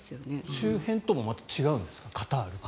周辺ともまた違うんですかカタールは。